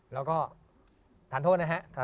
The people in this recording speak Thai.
แล้วก็ทานโทษนะฮะ